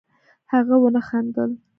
هغه ونه خندل